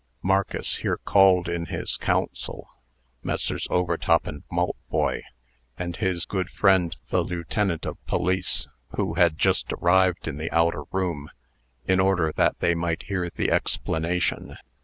Marcus here called in his counsel, Messrs. Overtop and Maltboy, and his good friend the lieutenant of police, who had just arrived in the outer room, in order that they might hear the explanation.